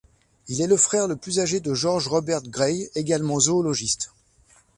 Il est le frère le plus âgé de George Robert Gray, également zoologiste.